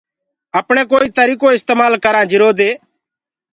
اپڻي ڪوئيٚ تريٚڪو اِستمآل ڪرآنٚ جرو دي